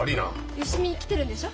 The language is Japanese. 芳美来てるんでしょ？